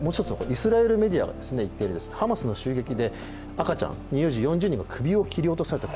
イスラエルメディアが言っているハマスの襲撃で乳幼児４０人が首を切り落とされたと。